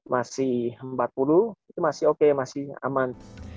masih empat puluh itu masih oke masih aman